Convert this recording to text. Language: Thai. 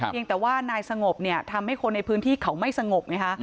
ยังแต่ว่านายสงบเนี่ยทำให้คนในพื้นที่เขาไม่สงบไงฮะ